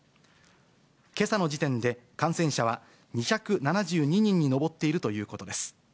けさの時点で感染者は２７２人に上っているということです。